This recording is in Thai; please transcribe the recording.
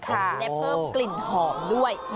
และเพิ่มกลิ่นหอมด้วย